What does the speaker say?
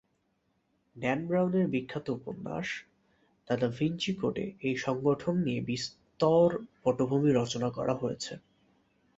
Dan ব্রাউনের বিখ্যাত উপন্যাস দ্য দা ভিঞ্চি কোডে এই সংগঠন নিয়ে বিস্তর পটভূমি রচনা করা হয়েছে।